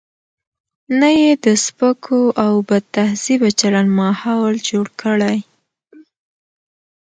نه یې د سپکو او بدتهذیبه چلن ماحول جوړ کړي.